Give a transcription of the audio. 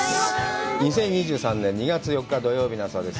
２０２３年２月４日、土曜日の朝です。